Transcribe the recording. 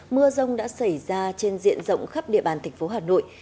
mưa rông đã xảy ra trên diện rộng khắp địa bàn tp hà nội